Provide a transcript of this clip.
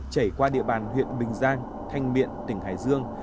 chảy qua địa bàn huyện bình giang thanh miện tỉnh hải dương